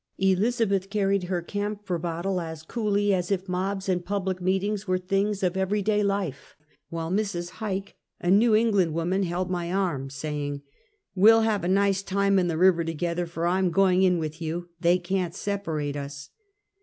Elizabeth carried her camphor bottle as coolly as if mobs and public meetings were things of every day life, while Mrs. Hyke, a Kew England woman, held my arm, saying: " We '11 have a nice time in the river together, for I am going in with you. They can't separate ns."